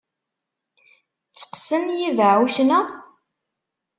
Tteqqsen yibeɛɛucen-a?